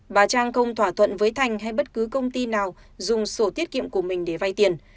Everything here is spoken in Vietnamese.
bà trang không thỏa thuận với thành hay bất cứ công ty nào dùng sổ tiết kiệm của mình để vay tiền